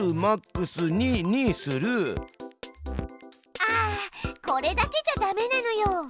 あこれだけじゃダメなのよ。